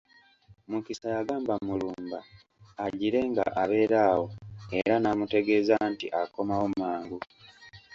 Mukisa yagamba Mulumba agire nga abeera awo era n'amutegeeza nti akomawo mangu.